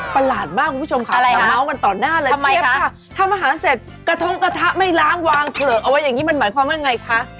หลาดมากคุณผู้ชมค่ะเราเมาส์กันต่อหน้าเลยเชฟค่ะทำอาหารเสร็จกระทงกระทะไม่ล้างวางเผลอเอาไว้อย่างนี้มันหมายความว่าไงคะ